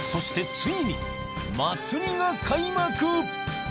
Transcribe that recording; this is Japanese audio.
ついに祭りが開幕